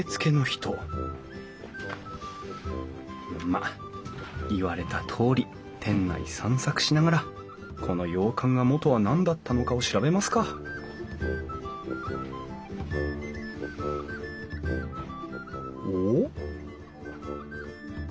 まっ言われたとおり店内散策しながらこの洋館が元は何だったのかを調べますかおっ？